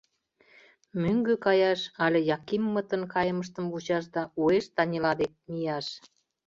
Мӧҥгӧ каяш але Якиммытын кайымыштым вучаш да уэш Танила дек мияш.